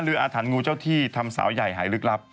รู้เจ้าที่ทำสาวใหญ่หายลึกลับ